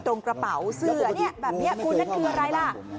กระเป๋าเสื้อเนี่ยแบบนี้คุณนั่นคืออะไรล่ะ